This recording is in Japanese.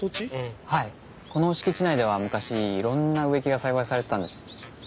はいこの敷地内では昔いろんな植木が栽培されてたんです。